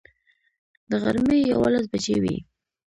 د غرمې یوولس بجې وې.